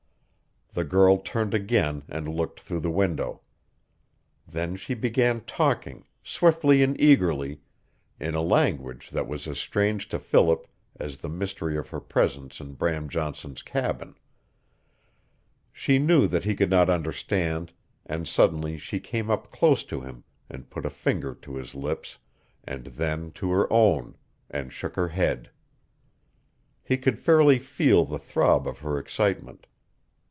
The girl turned again and looked through the window. Then she began talking, swiftly and eagerly, in a language that was as strange to Philip as the mystery of her presence in Bram Johnson's cabin. She knew that he could not understand, and suddenly she came up close to him and put a finger to his lips, and then to her own, and shook her head. He could fairly feel the throb of her excitement.